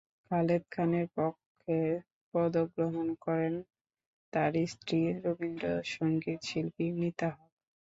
খালেদ খানের পক্ষে পদক গ্রহণ করেন তাঁর স্ত্রী রবীন্দ্রসংগীতশিল্পী মিতা হক।